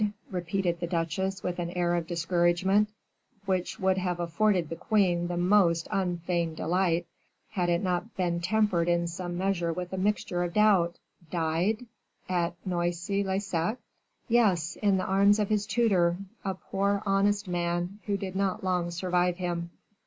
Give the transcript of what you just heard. repeated the duchesse with an air of discouragement, which would have afforded the queen the most unfeigned delight, had it not been tempered in some measure with a mixture of doubt "Died at Noisy le Sec?" "Yes, in the arms of his tutor, a poor, honest man, who did not long survive him."